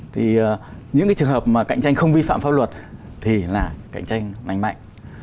thì những cái trường hợp mà cạnh tranh không vi phạm pháp luật thì là cạnh tranh lành mạnh